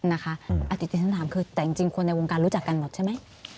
อาจจะติดตามคือแต่จริงคนในวงการรู้จักกันหมดใช่ไหม